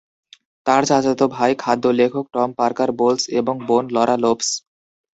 তার চাচাতো ভাই খাদ্য লেখক টম পার্কার বোলস এবং তার বোন লরা লোপস।